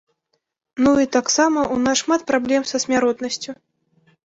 Ну і таксама у нас шмат праблем са смяротнасцю.